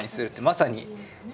まさに。